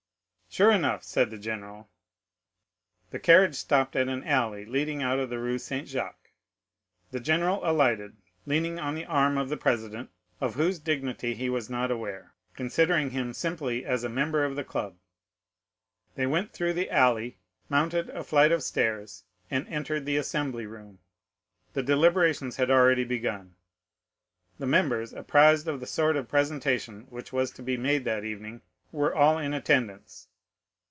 "Sure enough," said the general. The carriage stopped at an alley leading out of the Rue Saint Jacques. The general alighted, leaning on the arm of the president, of whose dignity he was not aware, considering him simply as a member of the club; they went through the alley, mounted a flight of stairs, and entered the assembly room. "'The deliberations had already begun. The members, apprised of the sort of presentation which was to be made that evening, were all in attendance.